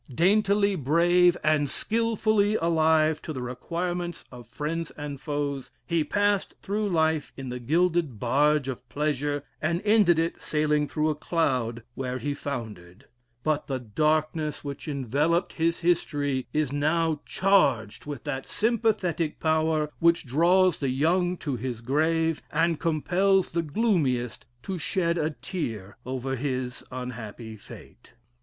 Daintily brave and skilfully alive to the requirements of friends and foes, he passed through life in the gilded barge of pleasure, and ended it sailing through a cloud where he foundered. But the darkness which enveloped his history is now charged with that sympathetic power which draws the young to his grave, and compels the gloomiest to shed a tear over his unhappy fate.